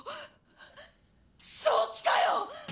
正気かよ！